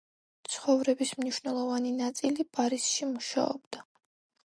ცხოვრების მნიშვნელოვანი ნაწილი პარიზში მუშაობდა.